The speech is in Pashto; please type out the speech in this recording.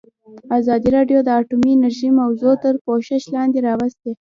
ازادي راډیو د اټومي انرژي موضوع تر پوښښ لاندې راوستې.